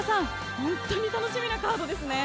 本当に楽しみなカードですね。